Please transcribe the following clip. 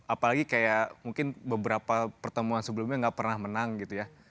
apalagi kayak mungkin beberapa pertemuan sebelumnya nggak pernah menang gitu ya